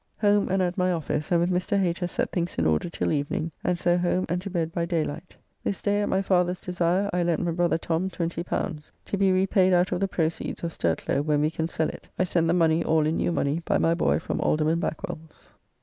Home and at my office, and with Mr. Hater set things in order till evening, and so home and to bed by daylight. This day at my father's desire I lent my brother Tom L20, to be repaid out of the proceeds of Sturtlow when we can sell it. I sent the money all in new money by my boy from Alderman Backwell's.